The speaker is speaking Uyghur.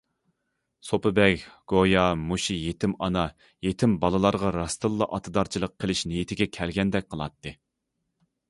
سوپى بەگ گويا مۇشۇ يېتىم ئانا، يېتىم بالىلارغا راستتىنلا ئاتىدارچىلىق قىلىش نىيىتىگە كەلگەندەك قىلاتتى.